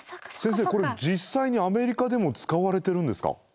先生これ実際にアメリカでも使われてるんですか？